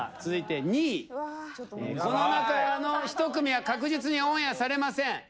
続いて２位うわっこの中の１組は確実にオンエアされません